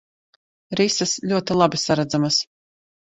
Rises ļoti labi saredzamas.